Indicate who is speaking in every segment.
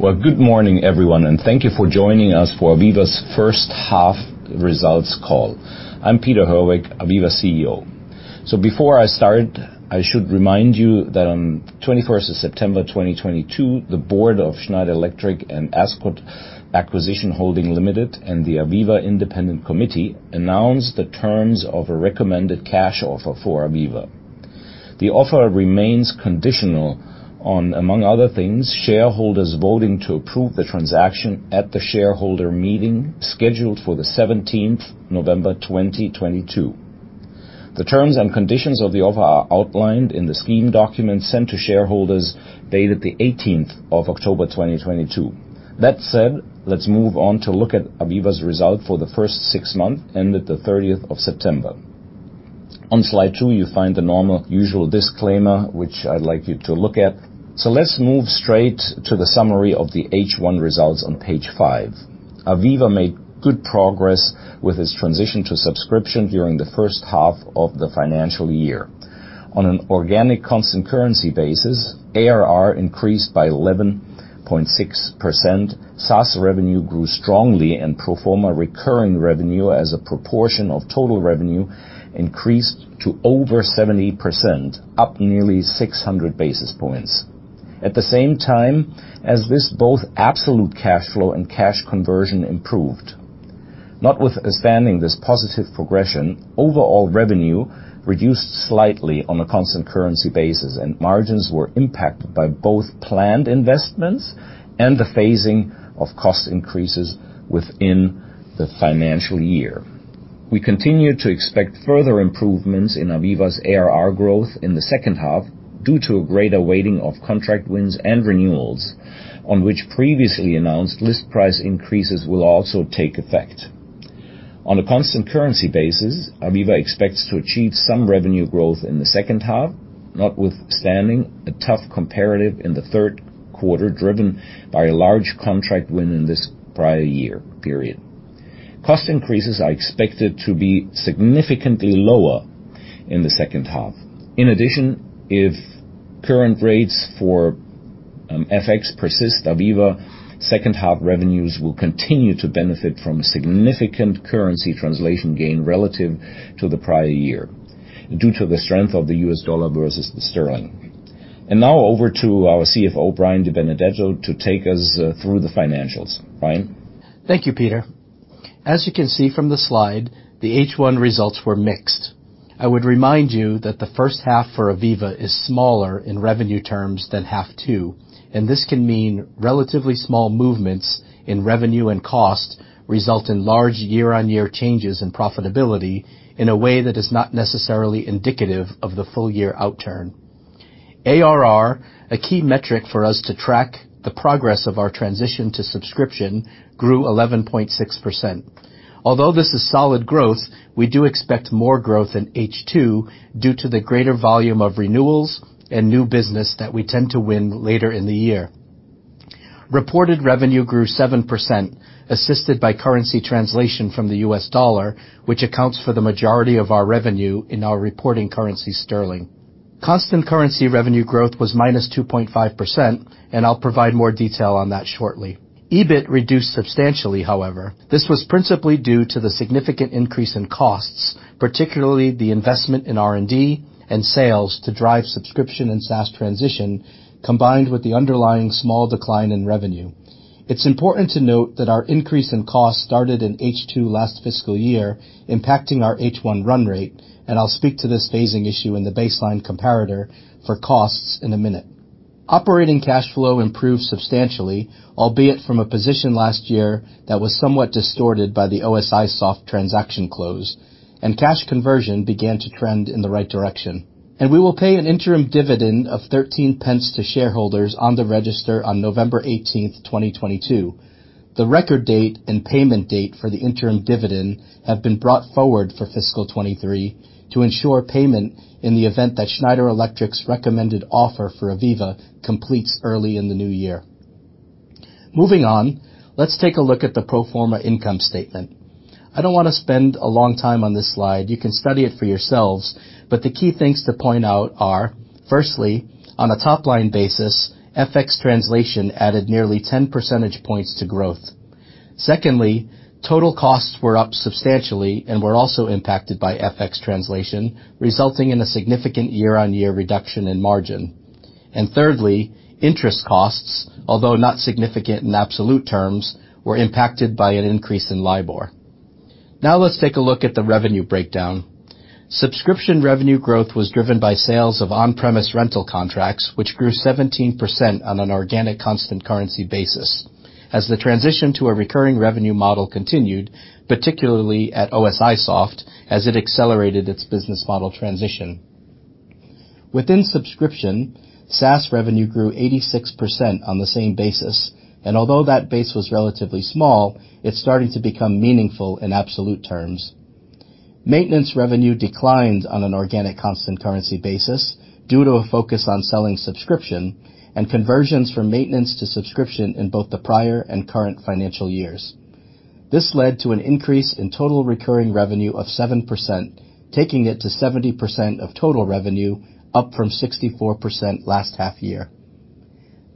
Speaker 1: Good morning, everyone, and thank you for joining us for AVEVA's first half results call. I'm Peter Herweck, AVEVA CEO. Before I start, I should remind you that on 21st of September 2022, the board of Schneider Electric and Ascot Acquisition Holding Limited and the AVEVA independent committee announced the terms of a recommended cash offer for AVEVA. The offer remains conditional on, among other things, shareholders voting to approve the transaction at the shareholder meeting scheduled for the 17th November 2022. The terms and conditions of the offer are outlined in the scheme document sent to shareholders dated the 18th of October 2022. That said, let's move on to look at AVEVA's results for the first six months ended the 30th of September. On slide two, you find the normal usual disclaimer, which I'd like you to look at. Let's move straight to the summary of the H1 results on page five. AVEVA made good progress with its transition to subscription during the first half of the financial year. On an organic constant currency basis, ARR increased by 11.6%, SaaS revenue grew strongly and pro forma recurring revenue as a proportion of total revenue increased to over 70%, up nearly 600 basis points. At the same time as this, both absolute cash flow and cash conversion improved. Notwithstanding this positive progression, overall revenue reduced slightly on a constant currency basis and margins were impacted by both planned investments and the phasing of cost increases within the financial year. We continue to expect further improvements in AVEVA's ARR growth in the second half due to a greater weighting of contract wins and renewals on which previously announced list price increases will also take effect. On a constant currency basis, AVEVA expects to achieve some revenue growth in the second half, notwithstanding a tough comparative in the third quarter, driven by a large contract win in this prior year period. Cost increases are expected to be significantly lower in the second half. In addition, if current rates for FX persist, AVEVA second half revenues will continue to benefit from a significant currency translation gain relative to the prior year due to the strength of the U.S. dollar versus the sterling. Now over to our CFO, Brian DiBenedetto, to take us through the financials. Brian?
Speaker 2: Thank you, Peter. As you can see from the slide, the H1 results were mixed. I would remind you that the first half for AVEVA is smaller in revenue terms than half 2, and this can mean relatively small movements in revenue and cost result in large year-over-year changes in profitability in a way that is not necessarily indicative of the full year outturn. ARR, a key metric for us to track the progress of our transition to subscription, grew 11.6%. Although this is solid growth, we do expect more growth in H2 due to the greater volume of renewals and new business that we tend to win later in the year. Reported revenue grew 7%, assisted by currency translation from the U.S. dollar, which accounts for the majority of our revenue in our reporting currency sterling. Constant currency revenue growth was -2.5%. I'll provide more detail on that shortly. EBIT reduced substantially, however. This was principally due to the significant increase in costs, particularly the investment in R&D and sales to drive subscription and SaaS transition, combined with the underlying small decline in revenue. It's important to note that our increase in cost started in H2 last fiscal year, impacting our H1 run rate. I'll speak to this phasing issue in the baseline comparator for costs in a minute. Operating cash flow improved substantially, albeit from a position last year that was somewhat distorted by the OSIsoft transaction close. Cash conversion began to trend in the right direction. We will pay an interim dividend of 0.13 to shareholders on the register on November 18th, 2022. The record date and payment date for the interim dividend have been brought forward for FY 2023 to ensure payment in the event that Schneider Electric's recommended offer for AVEVA completes early in the new year. Moving on, let's take a look at the pro forma income statement. I don't want to spend a long time on this slide. You can study it for yourselves, the key things to point out are, firstly, on a top-line basis, FX translation added nearly 10 percentage points to growth. Secondly, total costs were up substantially and were also impacted by FX translation, resulting in a significant year-on-year reduction in margin. Thirdly, interest costs, although not significant in absolute terms, were impacted by an increase in LIBOR. Now let's take a look at the revenue breakdown. Subscription revenue growth was driven by sales of on-premise rental contracts, which grew 17% on an organic constant currency basis as the transition to a recurring revenue model continued, particularly at OSIsoft, as it accelerated its business model transition. Within subscription, SaaS revenue grew 86% on the same basis. Although that base was relatively small, it's starting to become meaningful in absolute terms. Maintenance revenue declined on an organic constant currency basis due to a focus on selling subscription and conversions from maintenance to subscription in both the prior and current financial years. This led to an increase in total recurring revenue of 7%, taking it to 70% of total revenue, up from 64% last half year.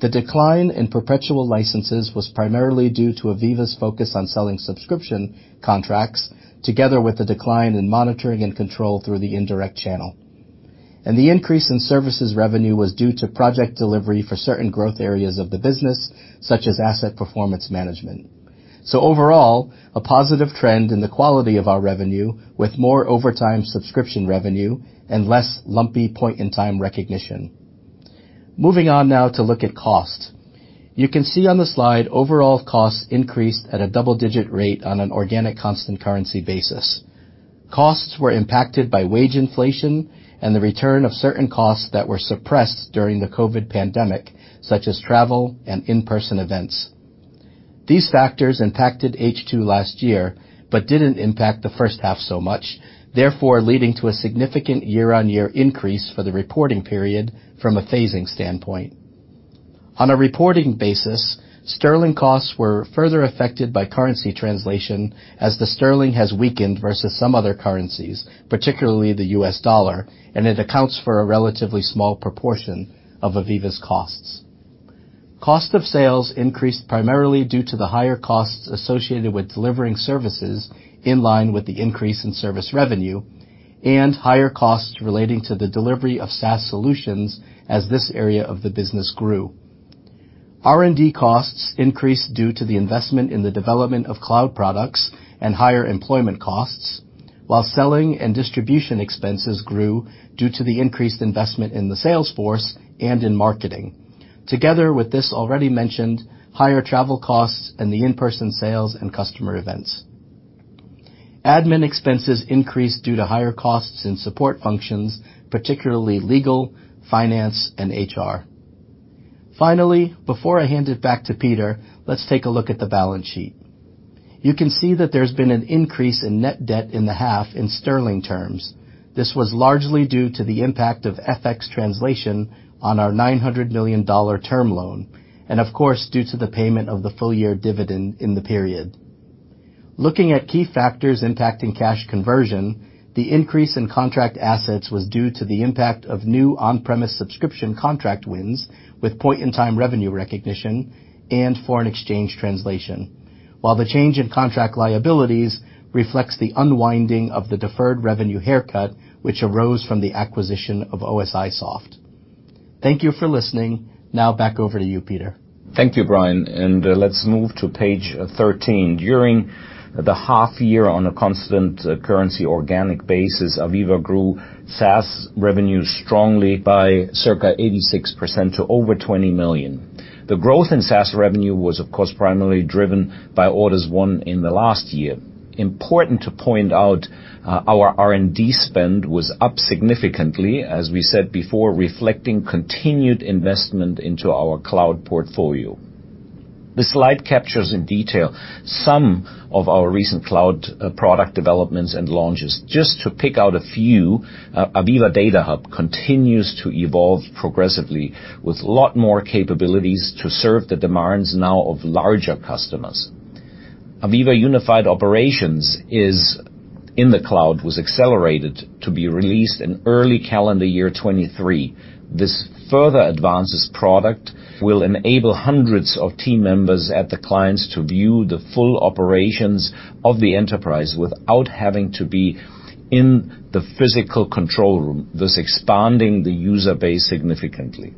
Speaker 2: The decline in perpetual licenses was primarily due to AVEVA's focus on selling subscription contracts, together with the decline in monitoring and control through the indirect channel. The increase in services revenue was due to project delivery for certain growth areas of the business, such as asset performance management. Overall, a positive trend in the quality of our revenue, with more over time subscription revenue and less lumpy point-in-time recognition. Moving on now to look at cost. You can see on the slide overall costs increased at a double-digit rate on an organic constant currency basis. Costs were impacted by wage inflation and the return of certain costs that were suppressed during the COVID pandemic, such as travel and in-person events. These factors impacted H2 last year, but didn't impact the first half so much, therefore leading to a significant year-on-year increase for the reporting period from a phasing standpoint. On a reporting basis, GBP costs were further affected by currency translation as the GBP has weakened versus some other currencies, particularly the U.S. dollar, and it accounts for a relatively small proportion of AVEVA's costs. Cost of sales increased primarily due to the higher costs associated with delivering services in line with the increase in service revenue and higher costs relating to the delivery of SaaS solutions as this area of the business grew. R&D costs increased due to the investment in the development of cloud products and higher employment costs, while selling and distribution expenses grew due to the increased investment in the sales force and in marketing, together with this already mentioned, higher travel costs and the in-person sales and customer events. Admin expenses increased due to higher costs in support functions, particularly legal, finance, and HR. Finally, before I hand it back to Peter, let's take a look at the balance sheet. You can see that there's been an increase in net debt in the half in GBP terms. This was largely due to the impact of FX translation on our $900 million term loan, and of course, due to the payment of the full-year dividend in the period. Looking at key factors impacting cash conversion, the increase in contract assets was due to the impact of new on-premise subscription contract wins with point-in-time revenue recognition and foreign exchange translation. While the change in contract liabilities reflects the unwinding of the deferred revenue haircut, which arose from the acquisition of OSIsoft. Thank you for listening. Now back over to you, Peter.
Speaker 1: Thank you, Brian, and let's move to page 13. During the half year on a constant currency organic basis, AVEVA grew SaaS revenue strongly by circa 86% to over 20 million. The growth in SaaS revenue was, of course, primarily driven by orders won in the last year. Important to point out, our R&D spend was up significantly, as we said before, reflecting continued investment into our cloud portfolio. This slide captures in detail some of our recent cloud product developments and launches. Just to pick out a few, AVEVA Data Hub continues to evolve progressively with a lot more capabilities to serve the demands now of larger customers. AVEVA Unified Operations is in the cloud, was accelerated to be released in early calendar year 2023. This further advances product will enable hundreds of team members at the clients to view the full operations of the enterprise without having to be in the physical control room, thus expanding the user base significantly.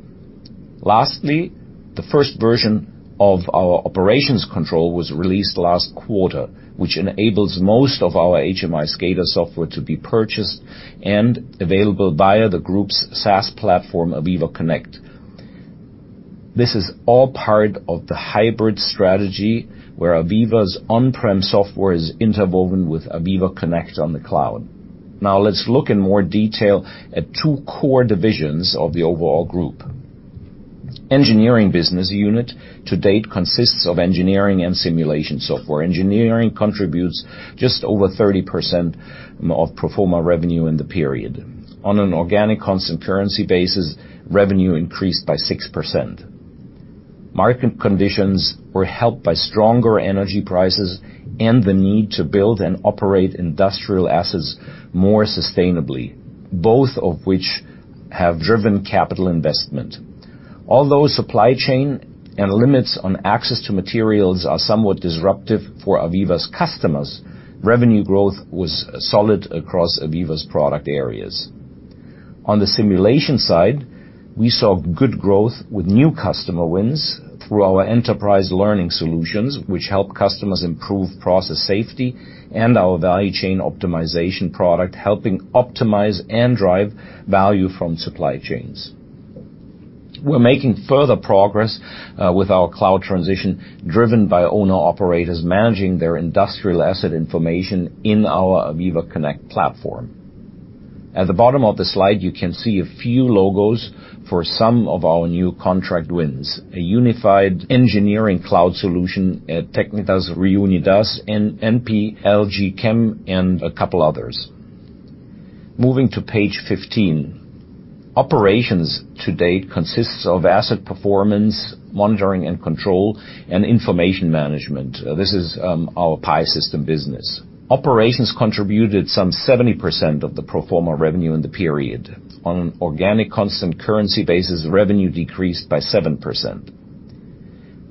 Speaker 1: Lastly, the first version of our Operations Control was released last quarter, which enables most of our HMI/SCADA software to be purchased and available via the group's SaaS platform, AVEVA Connect. This is all part of the hybrid strategy where AVEVA's on-prem software is interwoven with AVEVA Connect on the cloud. Let's look in more detail at two core divisions of the overall group. Engineering business unit to date consists of engineering and simulation software. Engineering contributes just over 30% of pro forma revenue in the period. On an organic constant currency basis, revenue increased by 6%. Market conditions were helped by stronger energy prices and the need to build and operate industrial assets more sustainably, both of which have driven capital investment. Although supply chain and limits on access to materials are somewhat disruptive for AVEVA's customers, revenue growth was solid across AVEVA's product areas. On the simulation side, we saw good growth with new customer wins through our enterprise learning solutions, which help customers improve process safety and our value chain optimization product, helping optimize and drive value from supply chains. We're making further progress with our cloud transition driven by owner-operators managing their industrial asset information in our AVEVA Connect platform. At the bottom of the slide, you can see a few logos for some of our new contract wins. A unified engineering cloud solution at Técnicas Reunidas and NP, LG Chem and a couple others. Moving to page 15. Operations to date consists of asset performance, monitoring and control, and information management. This is our PI System business. Operations contributed some 70% of the pro forma revenue in the period. On an organic constant currency basis, revenue decreased by 7%.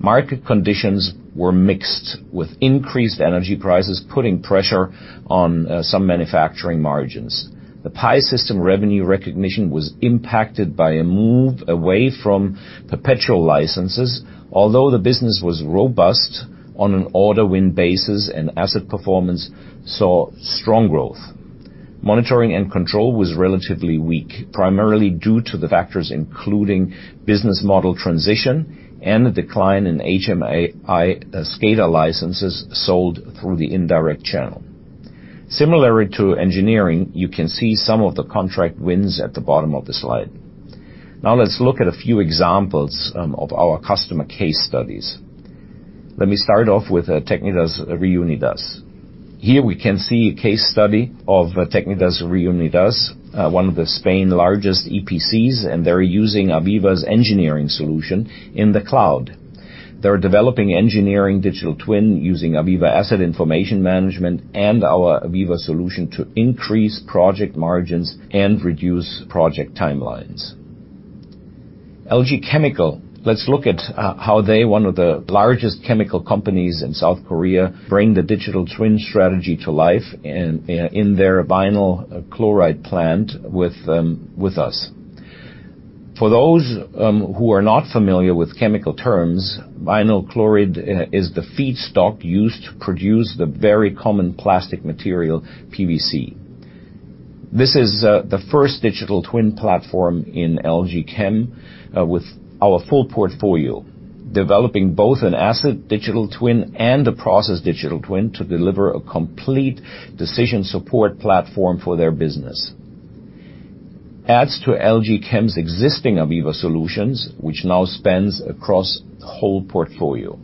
Speaker 1: Market conditions were mixed, with increased energy prices putting pressure on some manufacturing margins. The PI System revenue recognition was impacted by a move away from perpetual licenses, although the business was robust on an order win basis, and asset performance saw strong growth. Monitoring and control was relatively weak, primarily due to the factors including business model transition and the decline in HMI/SCADA licenses sold through the indirect channel. Similarly to engineering, you can see some of the contract wins at the bottom of the slide. Let's look at a few examples of our customer case studies. Let me start off with Técnicas Reunidas. Here we can see a case study of Técnicas Reunidas, one of the Spain largest EPCs, and they're using AVEVA's engineering solution in the cloud. They're developing engineering digital twin using AVEVA Asset Information Management and our AVEVA solution to increase project margins and reduce project timelines. LG Chem, let's look at how they, one of the largest chemical companies in South Korea, bring the digital twin strategy to life in their vinyl chloride plant with us. For those who are not familiar with chemical terms, vinyl chloride is the feedstock used to produce the very common plastic material, PVC. This is the first digital twin platform in LG Chem with our full portfolio, developing both an asset digital twin and a process digital twin to deliver a complete decision support platform for their business. This adds to LG Chem's existing AVEVA solutions, which now spans across the whole portfolio.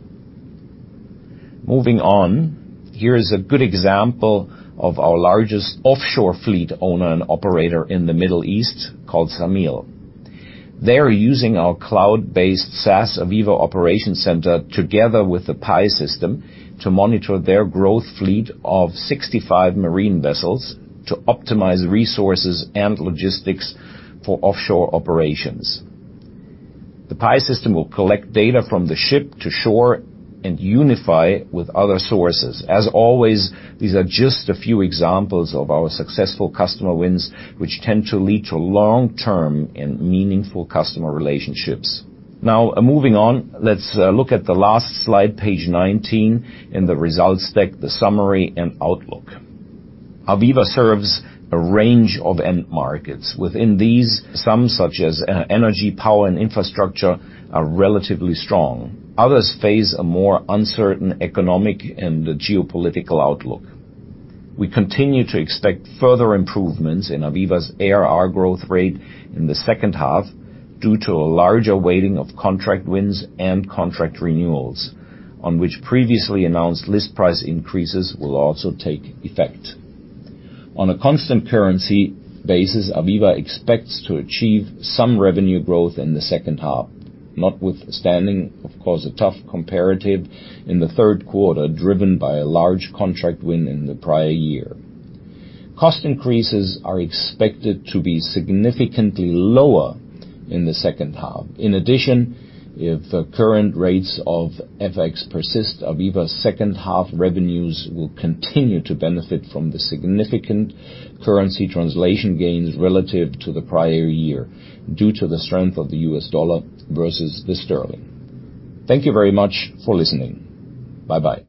Speaker 1: Moving on. Here is a good example of our largest offshore fleet owner and operator in the Middle East, called Zamil. They are using our cloud-based SaaS AVEVA Unified Operations Center together with the PI System, to monitor their growth fleet of 65 marine vessels to optimize resources and logistics for offshore operations. The PI System will collect data from the ship to shore and unify with other sources. As always, these are just a few examples of our successful customer wins, which tend to lead to long-term and meaningful customer relationships. Moving on. Let's look at the last slide, page 19, in the results deck, the summary and outlook. AVEVA serves a range of end markets. Within these, some such as energy, power, and infrastructure are relatively strong. Others face a more uncertain economic and geopolitical outlook. We continue to expect further improvements in AVEVA's ARR growth rate in the second half due to a larger weighting of contract wins and contract renewals, on which previously announced list price increases will also take effect. On a constant currency basis, AVEVA expects to achieve some revenue growth in the second half, notwithstanding, of course, a tough comparative in the third quarter, driven by a large contract win in the prior year. Cost increases are expected to be significantly lower in the second half. In addition, if the current rates of FX persist, AVEVA second half revenues will continue to benefit from the significant currency translation gains relative to the prior year, due to the strength of the US dollar versus the sterling. Thank you very much for listening. Bye-bye.